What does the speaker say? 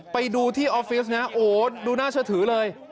ไปดูที่ออฟฟิศนะโหดูน่าจะถือเลย